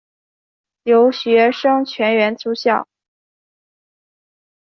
留学生全员住校。